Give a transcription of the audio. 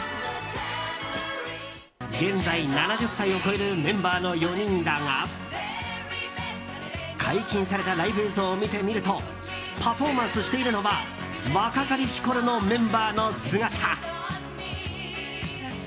現在、７０歳を超えるメンバーの４人だが解禁されたライブ映像を見てみるとパフォーマンスしているのは若かりしころのメンバーの姿。